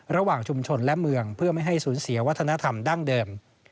ระหว่างชุมชนและเมืองเพื่อไม่ให้สูญเสียวัฒนธรรมดั้งเดิม